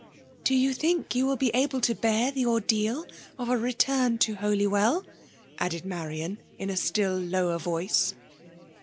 ''Do you think you will be able to beer tte titdaal of a return to Holywdl?*' added Mik» riaB> in a stiQ lower voice.